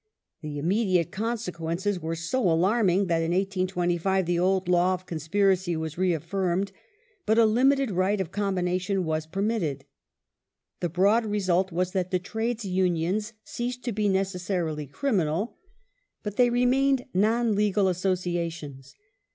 The immediate consequences were so alarming that in 1825 the old law of con spiracy was reaffirmed, but a limited right of combination was permitted. The broad result was that Trades Unions ceased to be necessarily criminal, but they remained non legal associations.